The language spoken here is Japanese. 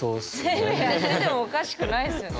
全部やっててもおかしくないっすよね。